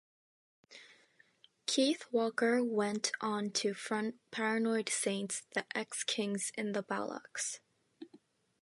Keith Walker went on to front Paranoid Saints, The Ex-Kings and The Bollox.